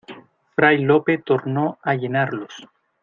fray Lope tornó a llenarlos: